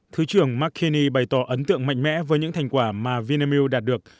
thứ trưởng mckinney bày tỏ ấn tượng mạnh mẽ với những thành quả mà vinamil đạt được